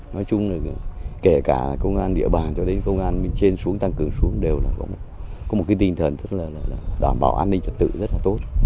nói chung là kể cả công an địa bàn cho đến công an trên xuống tăng cường xuống đều có một tinh thần đảm bảo an ninh trật tự rất là tốt